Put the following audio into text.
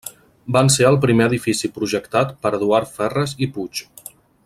Van ser el primer edifici projectat per Eduard Ferres i Puig.